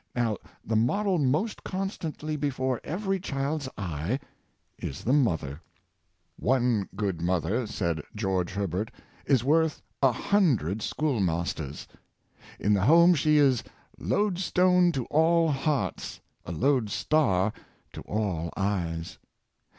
Now, the model most constantly before every child's eye is the mother. One good mother, said George Herbert, is worth a hundred school masters. In the home she is " load stone to all hearts, a loadstar to all eyes."